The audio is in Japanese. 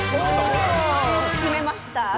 お決めました。